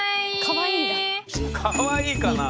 かわいいかなあ。